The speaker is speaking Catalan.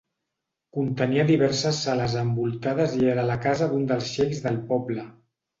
Contenia diverses sales envoltades i era la casa d'un dels xeics del poble.